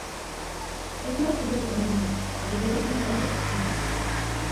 Es una orquídea de tamaño medio, que prefiere el clima cálido al frío.